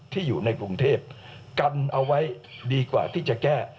ที่อยู่ในกรุงเทพกันเอาไว้ดีกว่าที่จะแก้